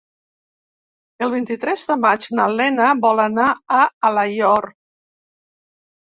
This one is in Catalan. El vint-i-tres de maig na Lena vol anar a Alaior.